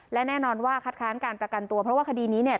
และแน่นอนว่าคัดค้านการประกันตัวเพราะว่าคดีนี้เนี่ย